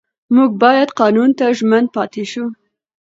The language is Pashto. موږ باید قانون ته ژمن پاتې شو